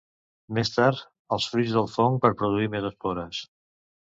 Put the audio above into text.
Més tard, els fruits del fong per produir més espores.